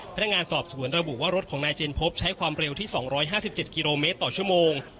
พนักงานสอบสวนระบุว่ารถของนายเจนพบใช้ความเร็วที่๒๕๗กิโลเมตรต่อชั่วโมง